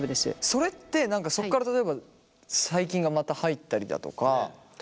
それって何かそこから例えば細菌がまた入ったりだとか。